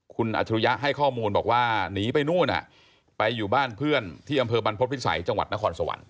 คุณอัจฉริยะให้ข้อมูลบอกว่าหนีไปนู่นไปอยู่บ้านเพื่อนที่อำเภอบรรพฤษภิษัยจังหวัดนครสวรรค